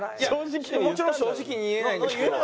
もちろん正直に言えないんですけど。